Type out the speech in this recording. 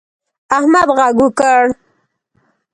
احمد غږ وکړ.